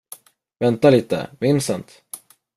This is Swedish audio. Vänta lite, Vincent!